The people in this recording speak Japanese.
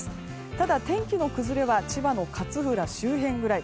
ただ、天気の崩れは千葉の勝浦周辺くらい。